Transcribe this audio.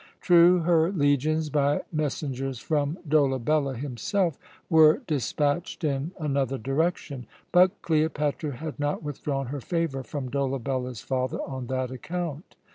True, her legions, by messengers from Dolabella himself, were despatched in another direction; but Cleopatra had not withdrawn her favour from Dolabella's father on that account.